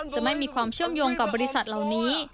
จะไม่มีความเชื่อมโยงกับบริษัทเหล่านี้